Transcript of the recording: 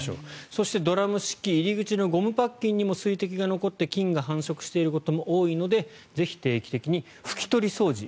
そしてドラム式入り口のゴムパッキンにも水滴が残って菌が繁殖していることも多いのでぜひ定期的に拭き取り掃除